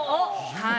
はい。